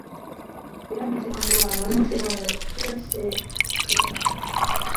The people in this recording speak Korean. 일하는 시간과 노는 시간을 뚜렷이 구분하라.